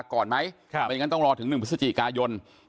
ก่อนไหมไม่อย่างนั้นต้องรอถึง๑พฤศจิกายน